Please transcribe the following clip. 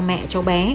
mẹ cho bé